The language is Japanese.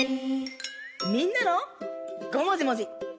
みんなの「ごもじもじ」。